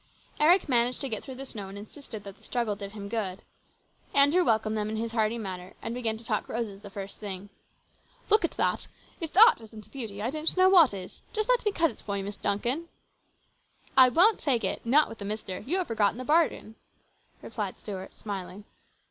Eric managed to get through the snow, and insisted that the struggle did him good. Andrew welcomed them in his hearty fashion and began to talk roses the first thing. 170 ins BROTHER'S KEEPER. "Look at that! If that isn't a beauty, I don't know what is. Just let me cut that for you, Mr. Duncan." " I won't take it ! not with the ' Mister.' You have forgotten the bargain," replied Stuart, smiling.